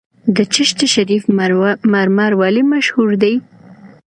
د چشت شریف مرمر ولې مشهور دي؟